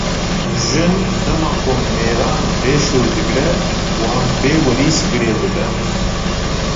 Jin, dema ku mêran bêşûr digire wan bêwerîs girê dide.